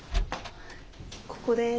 ここです。